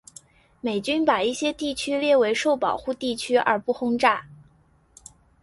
美军把一些地区列为受保护地区而不轰炸。